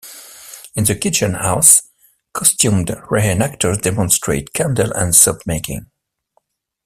In the Kitchen House, costumed re-enactors demonstrate candle- and soap-making.